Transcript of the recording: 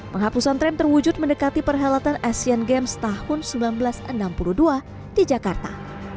penghapusan tram terwujud mendekati perhelatan asian games tahun seribu sembilan ratus enam puluh dua di jakarta